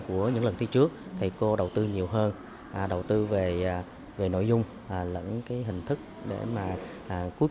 của những lần thi trước thầy cô đầu tư nhiều hơn đầu tư về nội dung lẫn cái hình thức để mà quốc